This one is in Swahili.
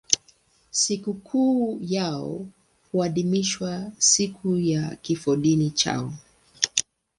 Sikukuu yao huadhimishwa siku ya kifodini chao.